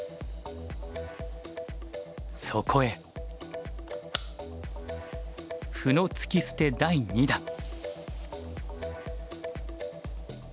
そこへ歩の突き捨て第２弾。